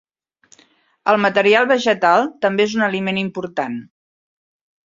El material vegetal també és un aliment important.